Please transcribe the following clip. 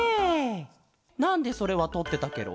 なんでそれはとってたケロ？